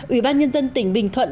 ủy ban nhân dân tỉnh bình thuận